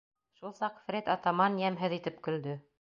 Шул саҡ Фред атаман йәмһеҙ итеп көлдө.